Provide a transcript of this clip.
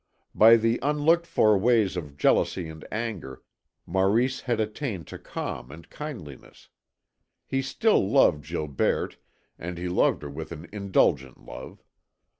By the unlooked for ways of jealousy and anger, Maurice had attained to calm and kindliness. He still loved Gilberte and he loved her with an indulgent love.